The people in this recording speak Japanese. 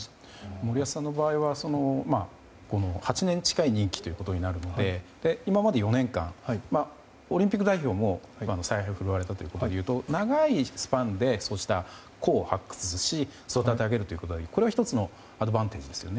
森保さんの場合は８年近い任期となるので今まで４年間オリンピック代表でも采配を振るわれたということでいうと長いスパンでそうした個を発掘し育て上げるというこれは１つのアドバンテージですよね。